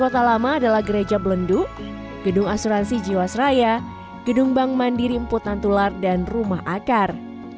kota lama adalah gereja belendu gedung asuransi jiwasraya gedung bank mandiri emput nantular dan rumah akar